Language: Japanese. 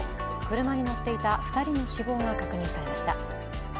車に乗っていた２人の死亡が確認されました。